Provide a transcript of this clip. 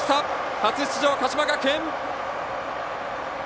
初出場、鹿島学園。